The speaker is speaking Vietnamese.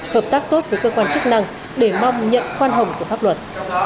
hợp tác tốt với cơ quan chức năng để mong nhận khoan hồng của pháp luật